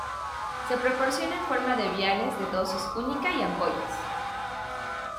Se proporciona en forma de viales de dosis única y ampollas.